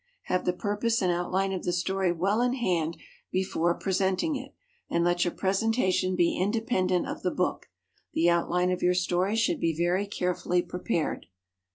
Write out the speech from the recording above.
Have the purpose and outline of the story well in hand before presenting it, and let your presentation be independent of the book. The outline of your story should be very carefully prepared.